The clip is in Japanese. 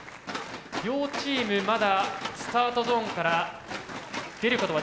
両チームまだスタートゾーンから出ることができていません。